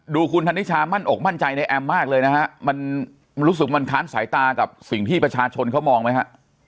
ดูคุณธนิชามั่นอกมั่นใจในแอมมากเลยนะฮะมันรู้สึกมันค้านสายตากับสิ่งที่ประชาชนเขามองไหมฮะ